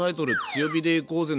「強火で行こうぜ！」